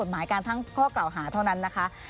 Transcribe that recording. หมายการทั้งข้อกล่าวหาเท่านั้นนะคะ